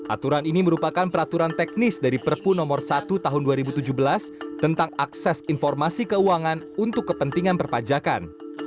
aturan ini merupakan peraturan teknis dari perpu nomor satu tahun dua ribu tujuh belas tentang akses informasi keuangan untuk kepentingan perpajakan